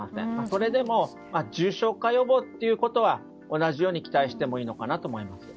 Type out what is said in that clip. それでも、重症化予防は同じように期待してもいいのかなと思います。